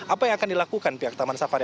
apa yang akan dilakukan pihak taman safari